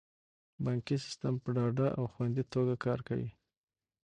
بانکي سیستم په ډاډه او خوندي توګه کار کوي.